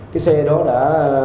cái xe đó đã